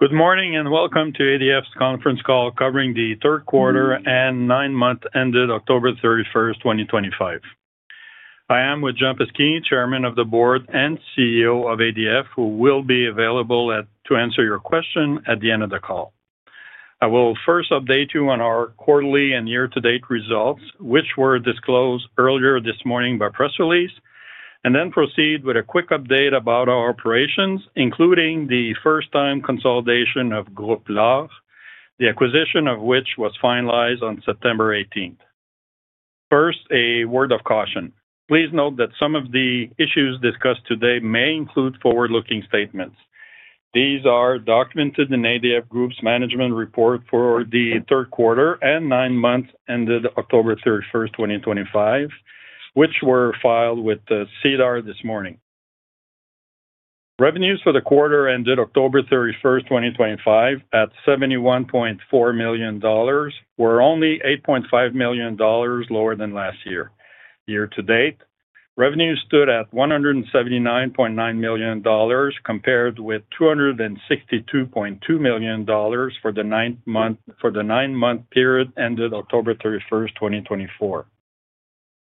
Good morning and welcome to ADF's conference call covering the third quarter and nine-month end date of October 31st, 2025. I am with Jean Paschini, Chairman of the Board and CEO of ADF, who will be available to answer your questions at the end of the call. I will first update you on our quarterly and year-to-date results, which were disclosed earlier this morning by press release, and then proceed with a quick update about our operations, including the first-time consolidation of Groupe LAR, the acquisition of which was finalized on September 18th. First, a word of caution: please note that some of the issues discussed today may include forward-looking statements. These are documented in ADF Group's management report for the third quarter and nine-month end date of October 31st, 2025, which were filed with SEDAR this morning. Revenues for the quarter end date of October 31st, 2025, at 71.4 million dollars, were only 8.5 million dollars lower than last year. Year-to-date, revenues stood at 179.9 million dollars compared with 262.2 million dollars for the nine-month period end date of October 31st, 2024.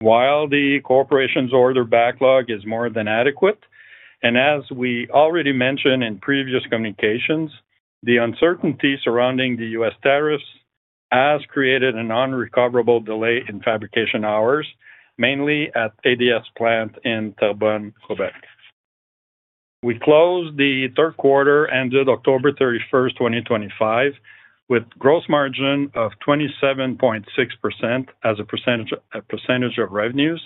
While the corporation's order backlog is more than adequate, and as we already mentioned in previous communications, the uncertainty surrounding the U.S. tariffs has created an unrecoverable delay in fabrication hours, mainly at ADF's plant in Terrebonne, Quebec. We closed the third quarter end date of October 31st, 2025, with a gross margin of 27.6% as a percentage of revenues,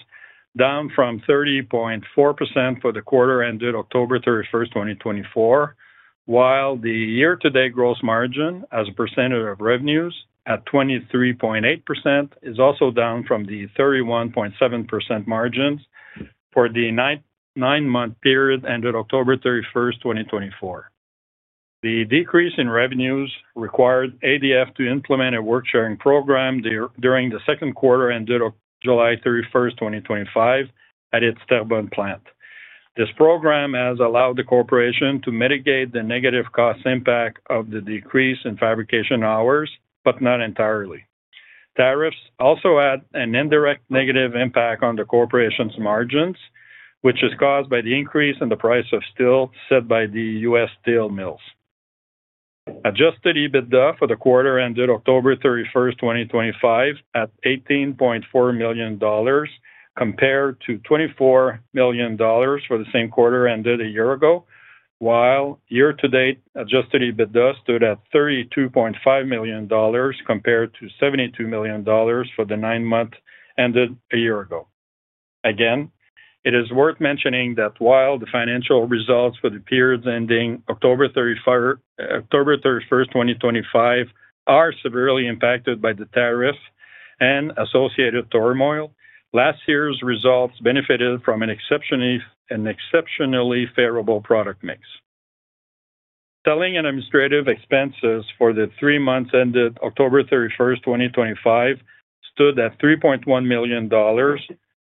down from 30.4% for the quarter end date of October 31st, 2024, while the year-to-date gross margin as a percentage of revenues at 23.8% is also down from the 31.7% margins for the nine-month period end date of October 31st, 2024. The decrease in revenues required ADF to implement a work-sharing program during the second quarter end date of July 31st, 2025, at its Terrebonne plant. This program has allowed the corporation to mitigate the negative cost impact of the decrease in fabrication hours, but not entirely. Tariffs also had an indirect negative impact on the corporation's margins, which is caused by the increase in the price of steel set by the U.S. steel mills. Adjusted EBITDA for the quarter end date of October 31st, 2025, at 18.4 million dollars compared to 24 million dollars for the same quarter end date a year ago, while year-to-date adjusted EBITDA stood at 32.5 million dollars compared to 72 million dollars for the nine-month end date a year ago. Again, it is worth mentioning that while the financial results for the periods ending October 31st, 2025, are severely impacted by the tariffs and associated turmoil, last year's results benefited from an exceptionally favorable product mix. Selling and administrative expenses for the three months end date of October 31st, 2025, stood at 3.1 million dollars,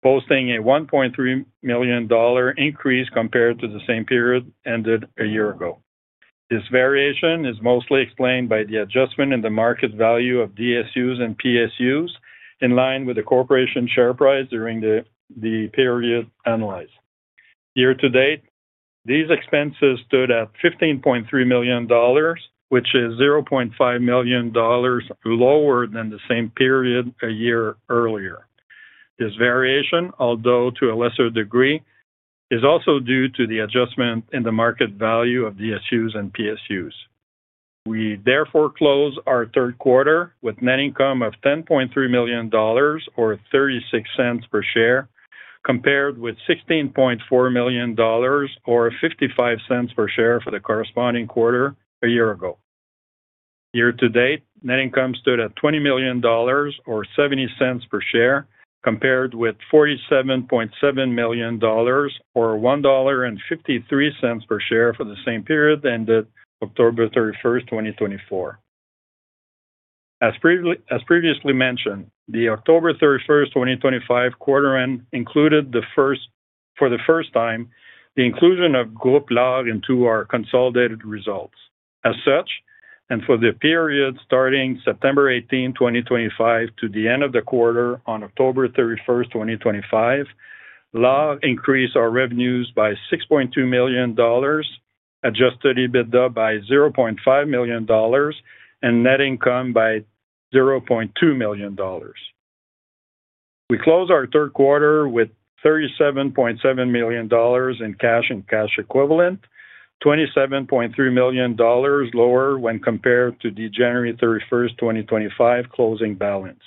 posting a 1.3 million dollar increase compared to the same period end date a year ago. This variation is mostly explained by the adjustment in the market value of DSUs and PSUs, in line with the corporation's share price during the period analyzed. Year-to-date, these expenses stood at 15.3 million dollars, which is 0.5 million dollars lower than the same period a year earlier. This variation, although to a lesser degree, is also due to the adjustment in the market value of DSUs and PSUs. We therefore close our third quarter with net income of 10.3 million dollars, or 0.36 per share, compared with 16.4 million dollars, or 0.55 per share for the corresponding quarter a year ago. Year-to-date, net income stood at 20 million dollars, or 0.70 per share, compared with 47.7 million dollars, or 1.53 dollar per share for the same period end date of October 31st, 2024. As previously mentioned, the October 31, 2025 quarter end included the first, for the first time, the inclusion of Groupe LAR into our consolidated results. As such, and for the period starting September 18th, 2025, to the end of the quarter on October 31st, 2025, LAR increased our revenues by 6.2 million dollars, Adjusted EBITDA by 0.5 million dollars, and net income by 0.2 million dollars. We close our third quarter with 37.7 million dollars in cash and cash equivalent, 27.3 million dollars lower when compared to the January 31st, 2025, closing balance.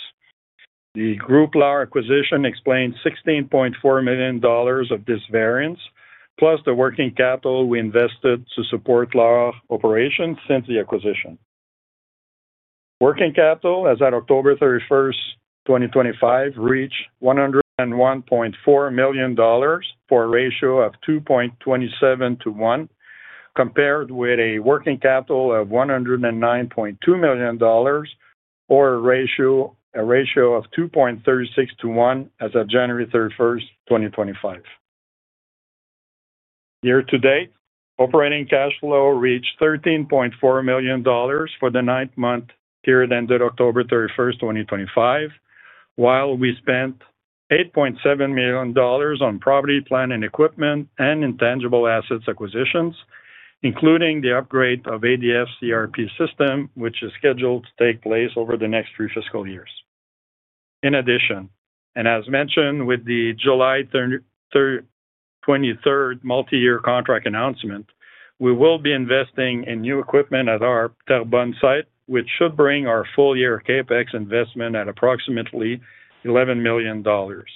The Groupe LAR acquisition explained 16.4 million dollars of this variance, plus the working capital we invested to support LAR operations since the acquisition. Working capital, as of October 31st, 2025, reached 101.4 million dollars for a ratio of 2.27-1, compared with a working capital of 109.2 million dollars, or a ratio of 2.36 to 1 as of January 31, 2025. Year-to-date, operating cash flow reached 13.4 million dollars for the nine-month period end date of October 31st, 2025, while we spent 8.7 million dollars on property, plant and equipment and intangible assets acquisitions, including the upgrade of ADF's ERP system, which is scheduled to take place over the next three fiscal years. In addition, and as mentioned with the July 23rd multi-year contract announcement, we will be investing in new equipment at our Terrebonne site, which should bring our full-year CapEx investment at approximately 11 million dollars.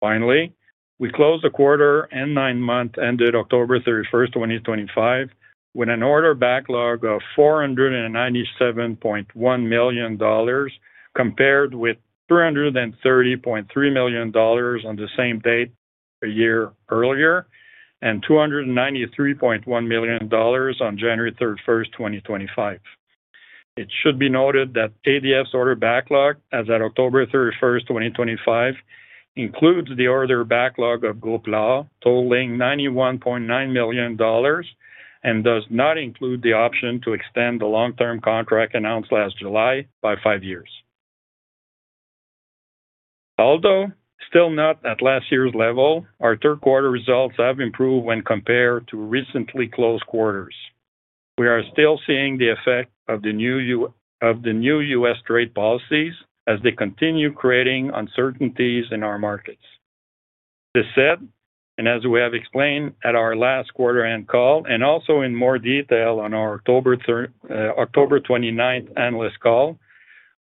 Finally, we close the quarter and nine-month end date of October 31st, 2025, with an order backlog of 497.1 million dollars compared with 330.3 million dollars on the same date a year earlier and 293.1 million dollars on January 31st, 2025. It should be noted that ADF's order backlog, as of October 31st, 2025, includes the order backlog of Groupe LAR, totaling 91.9 million dollars, and does not include the option to extend the long-term contract announced last July by five years. Although still not at last year's level, our third-quarter results have improved when compared to recently closed quarters. We are still seeing the effect of the new U.S. trade policies as they continue creating uncertainties in our markets. As I said, and as we have explained at our last quarter-end call and also in more detail on our October 29th analyst call,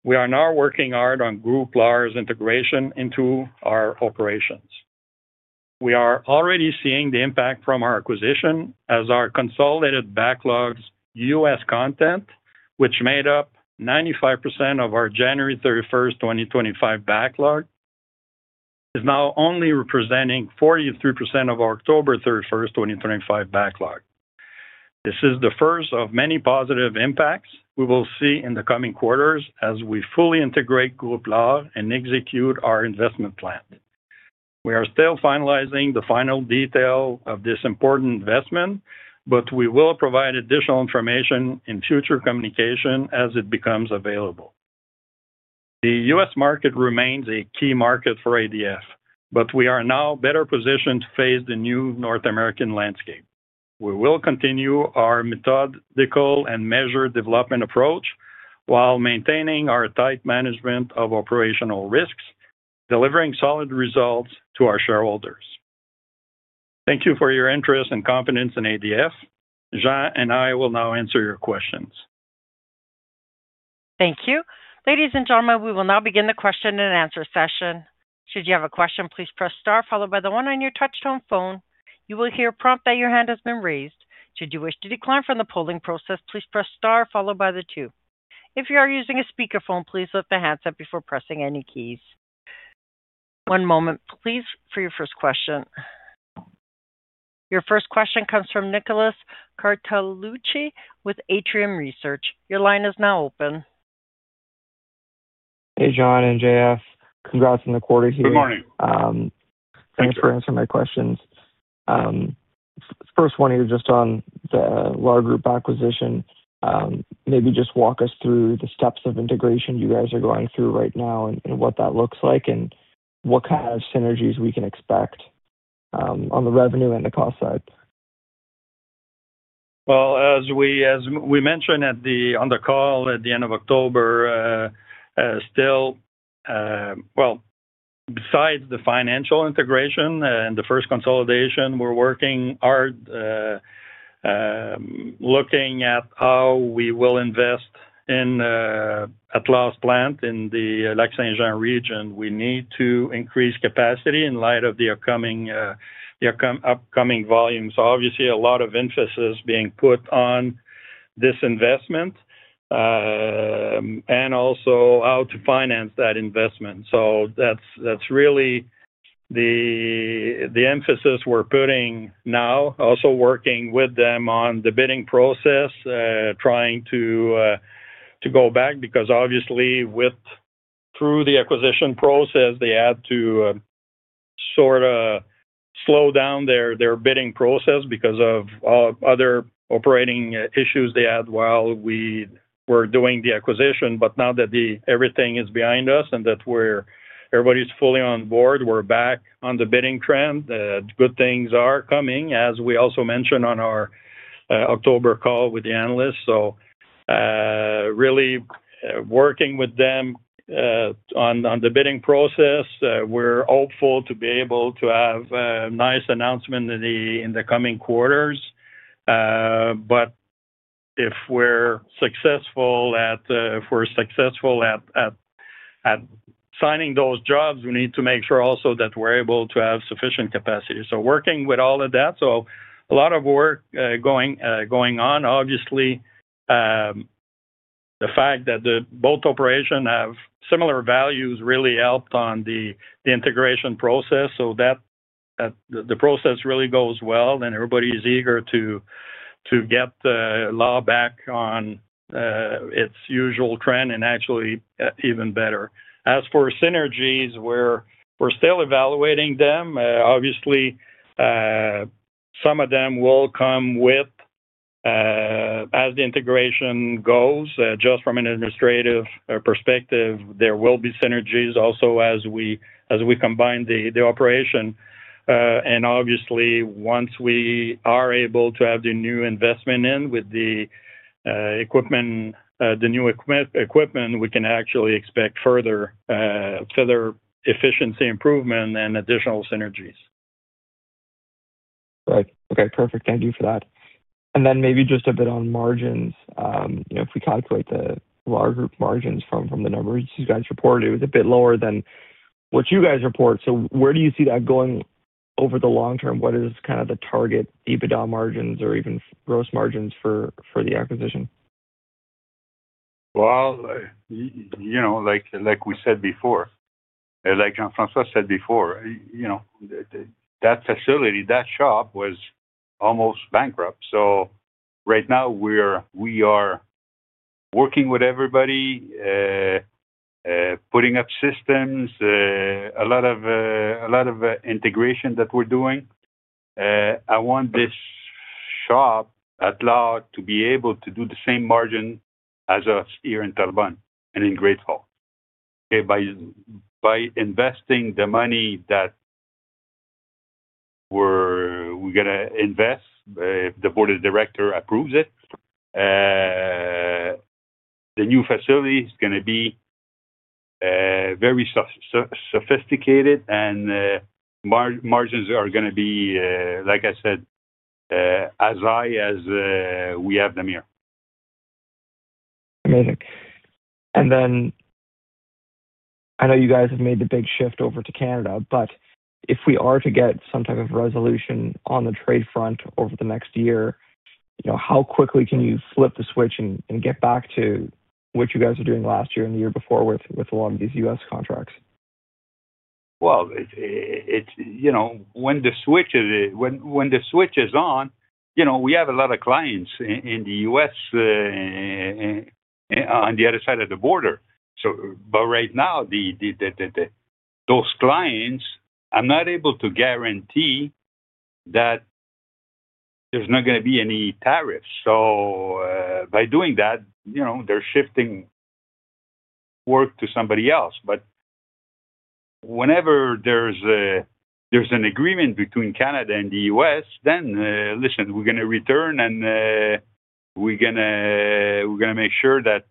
we are now working hard on Groupe LAR's integration into our operations. We are already seeing the impact from our acquisition, as our consolidated backlog's U.S. content, which made up 95% of our January 31st, 2025, backlog, is now only representing 43% of our October 31st, 2025, backlog. This is the first of many positive impacts we will see in the coming quarters as we fully integrate Groupe LAR and execute our investment plan. We are still finalizing the final detail of this important investment, but we will provide additional information in future communication as it becomes available. The U.S. market remains a key market for ADF, but we are now better positioned to face the new North American landscape. We will continue our methodical and measured development approach while maintaining our tight management of operational risks, delivering solid results to our shareholders. Thank you for your interest and confidence in ADF. Jean and I will now answer your questions. Thank you. Ladies and gentlemen, we will now begin the question-and-answer session. Should you have a question, please press star followed by the one on your touch-tone phone. You will hear a prompt that your hand has been raised. Should you wish to decline from the polling process, please press star followed by the two. If you are using a speakerphone, please lift the hands up before pressing any keys. One moment, please, for your first question. Your first question comes from Nicholas Cortellucci with Atrium Research. Your line is now open. Hey, Jean and JF. Congrats on the quarter here. Good morning. Thanks for answering my questions. First, one here just on the LAR Groupe acquisition. Maybe just walk us through the steps of integration you guys are going through right now and what that looks like and what kind of synergies we can expect on the revenue and the cost side. Well, as we mentioned on the call at the end of October, besides the financial integration and the first consolidation, we're working hard looking at how we will invest in at LAR's plant in the Lac-Saint-Jean region. We need to increase capacity in light of the upcoming volume. So, obviously, a lot of emphasis is being put on this investment and also how to finance that investment. So that's really the emphasis we're putting now. Also working with them on the bidding process, trying to go back because, obviously, through the acquisition process, they had to sort of slow down their bidding process because of other operating issues they had while we were doing the acquisition. But now that everything is behind us and that everybody's fully on board, we're back on the bidding trend. Good things are coming, as we also mentioned on our October call with the analysts. So, really working with them on the bidding process. We're hopeful to be able to have a nice announcement in the coming quarters. But if we're successful at signing those jobs, we need to make sure also that we're able to have sufficient capacity. So, working with all of that. So, a lot of work going on. Obviously, the fact that both operations have similar values really helped on the integration process. So that the process really goes well and everybody is eager to get LAR back on its usual trend and actually even better. As for synergies, we're still evaluating them. Obviously, some of them will come with as the integration goes. Just from an administrative perspective, there will be synergies also as we combine the operation. Obviously, once we are able to have the new investment in with the equipment, the new equipment, we can actually expect further efficiency improvement and additional synergies. Right. Okay. Perfect. Thank you for that, and then maybe just a bit on margins. If we calculate the Groupe LAR margins from the numbers you guys' report, it was a bit lower than what you guys report, so where do you see that going over the long term? What is kind of the target EBITDA margins or even gross margins for the acquisition? Like we said before, like Jean-François said before, that facility, that shop was almost bankrupt. So right now, we are working with everybody, putting up systems, a lot of integration that we're doing. I want this shop at LAR to be able to do the same margin as us here in Terrebonne and in Great Falls. Okay. By investing the money that we're going to invest, if the board of directors approves it, the new facility is going to be very sophisticated and margins are going to be, like I said, as high as we have them here. Amazing. And then I know you guys have made the big shift over to Canada, but if we are to get some type of resolution on the trade front over the next year, how quickly can you flip the switch and get back to what you guys were doing last year and the year before with a lot of these U.S. contracts? When the switch is on, we have a lot of clients in the U.S. on the other side of the border. But right now, those clients, I'm not able to guarantee that there's not going to be any tariffs. So, by doing that, they're shifting work to somebody else. But whenever there's an agreement between Canada and the U.S., then listen, we're going to return and we're going to make sure that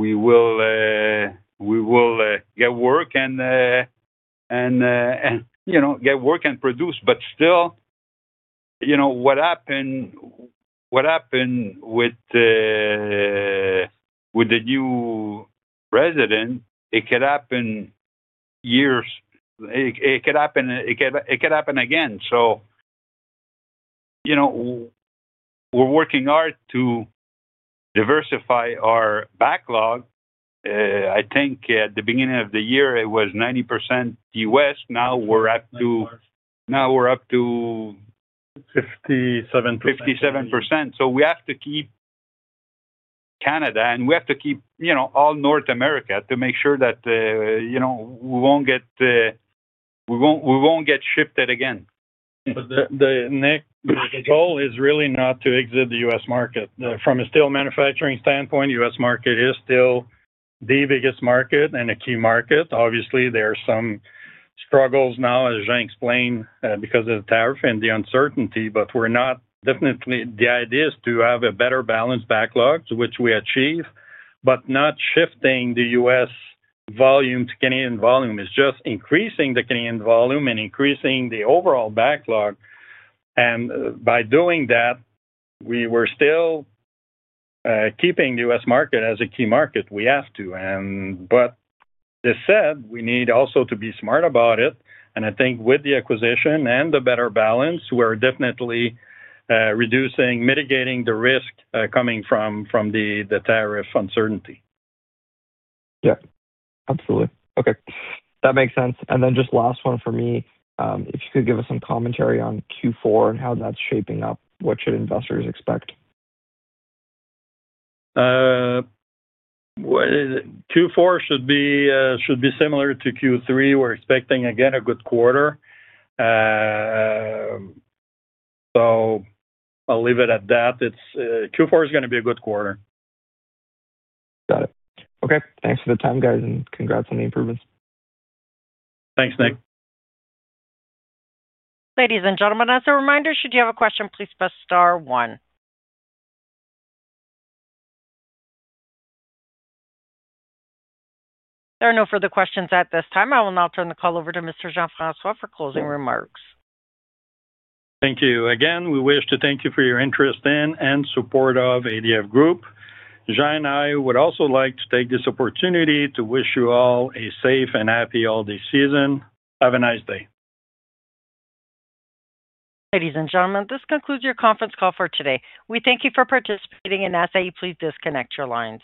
we will get work and get work and produce. But still, what happened with the new president, it could take years. It could happen again. So we're working hard to diversify our backlog. I think at the beginning of the year, it was 90% U.S. Now we're up to 57%. So we have to keep Canada and we have to keep all North America to make sure that we won't get shifted again. But the net is always really not to exit the U.S. market. From a steel manufacturing standpoint, the U.S. market is still the biggest market and a key market. Obviously, there are some struggles now, as Jean explained, because of the tariff and the uncertainty, but we're not. Definitely the idea is to have a better-balanced backlog, which we achieve, but not shifting the U.S. volume to Canadian volume. It's just increasing the Canadian volume and increasing the overall backlog, and by doing that, we were still keeping the U.S. market as a key market. We have to, but as I said, we need also to be smart about it, and I think with the acquisition and the better balance, we're definitely reducing, mitigating the risk coming from the tariff uncertainty. Yeah. Absolutely. Okay. That makes sense. And then just last one for me, if you could give us some commentary on Q4 and how that's shaping up, what should investors expect? Q4 should be similar to Q3. We're expecting, again, a good quarter. So I'll leave it at that. Q4 is going to be a good quarter. Got it. Okay. Thanks for the time, guys, and congrats on the improvements. Thanks, Nick. Ladies and gentlemen, as a reminder, should you have a question, please press star one. There are no further questions at this time. I will now turn the call over to Mr. Jean-François for closing remarks. Thank you again. We wish to thank you for your interest in and support of ADF Group. Jean and I would also like to take this opportunity to wish you all a safe and happy holiday season. Have a nice day. Ladies and gentlemen, this concludes your conference call for today. We thank you for participating and ask that you please disconnect your lines.